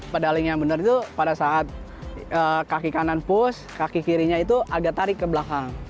pedaling yang benar itu pada saat kaki kanan push kaki kirinya itu agak tarik ke belakang